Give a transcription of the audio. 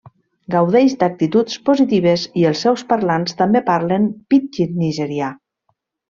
Gaudeix d'actituds positives i els seus parlants també parlen pidgin nigerià.